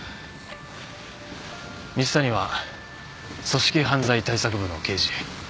蜜谷は組織犯罪対策部の刑事。